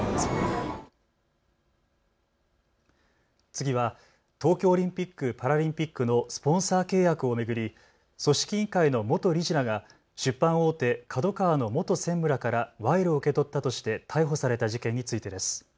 次は東京オリンピック・パラリンピックのスポンサー契約を巡り組織委員会の元理事らが出版大手、ＫＡＤＯＫＡＷＡの元専務らから賄賂を受け取ったとして逮捕された事件についてです。